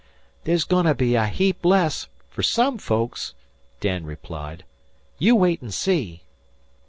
"There's goin' to be a heap less fer some folks," Dan replied. "You wait an' see."